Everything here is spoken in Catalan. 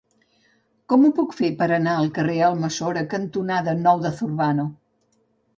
Com ho puc fer per anar al carrer Almassora cantonada Nou de Zurbano?